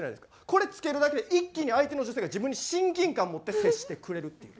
これつけるだけで一気に相手の女性が自分に親近感を持って接してくれるっていう。